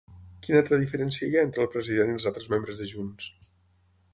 Quina altra diferència hi ha entre el president i els altres membres de Junts?